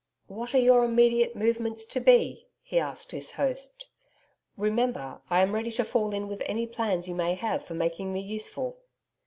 'What are your immediate movements to be?' he asked his host. 'Remember, I am ready to fall in with any plans you may have for making me useful.'